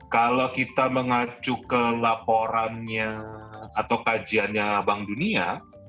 kalau kita mengacu ke laporannya atau kajiannya bank dunia